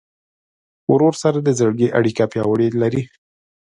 ورور سره د زړګي اړیکه پیاوړې لرې.